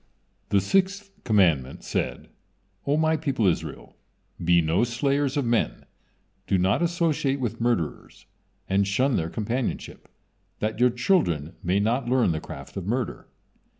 The sixth commandment said: "O My people Israel, be no slayers of men, do not associate with murderers, and shun their companionship, that your children may not learn the craft of murder."